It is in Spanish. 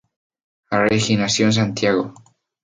Arregui nació en Santiago.